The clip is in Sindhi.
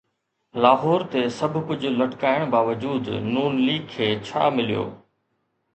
لاهور تي سڀ ڪجهه لٽڪائڻ باوجود ن ليگ کي ڇا مليو؟